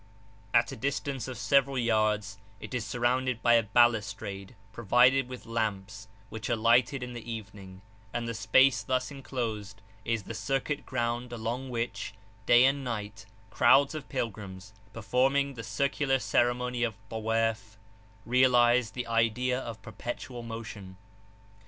At a distance of several yards it is surrounded by a balustrade provided with lamps, which are lighted in the evening, and the space thus enclosed is the circuit ground along which, day and night, crowds of pilgrims, performing the circular ceremony of Tawaf, realize the idea of perpetual motion.